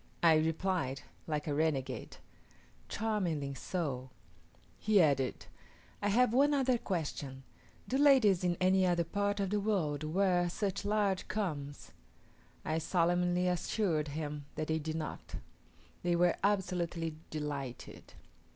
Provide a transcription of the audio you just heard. I replied, like a renegade, "Charmingly so." He added, "I have one other question: Do ladies in any other part of the world wear such large combs?" I solemnly assured him that they did not. They were absolutely delighted.